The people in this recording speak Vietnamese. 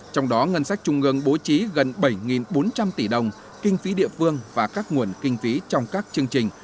trong đó ngân sách trung ương bố trí gần bảy bốn trăm linh tỷ đồng kinh phí địa phương và các nguồn kinh phí trong các chương trình